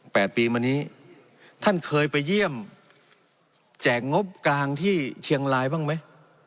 แปดปีมานี้ท่านเคยไปเยี่ยมแจกงบกลางที่เชียงรายบ้างไหม